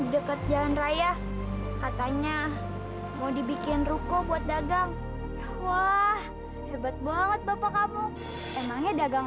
dekat jalan raya katanya mau dibikin ruko buat dagang wah hebat banget bapak kamu emangnya dagang